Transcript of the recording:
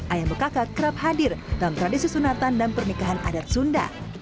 ayah bekaka kerap hadir dalam tradisi sunatan dan pernikahan adat sunda